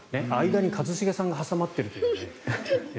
間に一茂さんが挟まっているという。